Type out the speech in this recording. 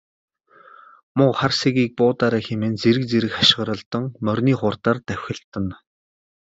Муу хар сэгийг буудаарай хэмээн зэрэг зэрэг хашхиралдан морины хурдаар давхилдана.